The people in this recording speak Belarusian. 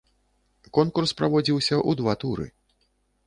Конкурс праводзіўся ў два туры.